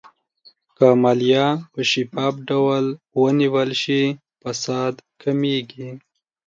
که مالیه په شفاف ډول ونیول شي، فساد کمېږي.